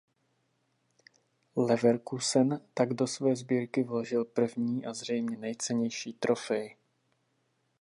Leverkusen tak do své sbírky vložil první a zřejmě nejcennější trofej.